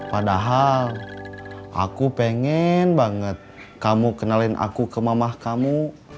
padahal aku pengen banget kamu kenalin aku ke mamah kamu